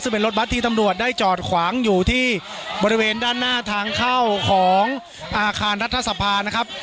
ซึ่งเป็นรถบัตรที่ตำรวจได้จอดขวางอยู่ที่บริเวณด้านหน้าทางเข้าของอาคารรัฐสภานะครับ